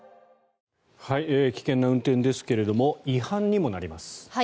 危険な運転ですが違反にもなります。